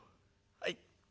「はい。